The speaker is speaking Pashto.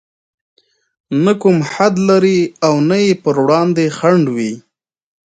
نه کوم حد لري او نه يې پر وړاندې خنډ وي.